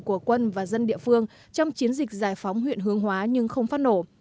của quân và dân địa phương trong chiến dịch giải phóng huyện hương hóa nhưng không phát nổ